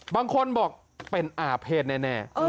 บางคนบอกเป็นอาเภษแน่